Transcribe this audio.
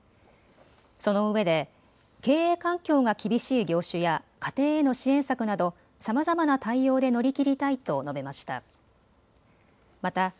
そのうえで経営環境が厳しい業種や家庭への支援策などさまざまな対応で乗り切りたいと述べました。